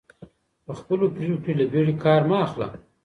په خپلو پرېکړو کي له بیړې کار مه اخله.